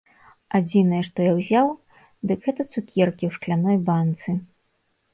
Адзінае, што я ўзяў, дык гэта цукеркі ў шкляной банцы.